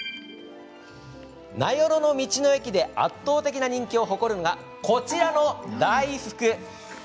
名寄の道の駅で圧倒的な人気を誇るのが、こちらの大福。